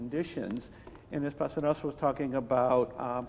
dan seperti yang saya katakan